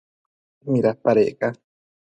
¿midapadec ca?